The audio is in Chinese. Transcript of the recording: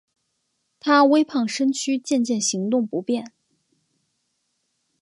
她微胖身躯渐渐行动不便